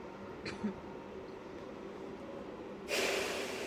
Získal diplom advokáta Římské roty a diplom z latiny na Papežské Gregoriánské univerzitě.